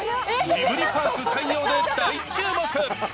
ジブリパーク開業で大注目。